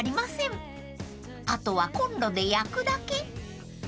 ［あとはコンロで焼くだけ］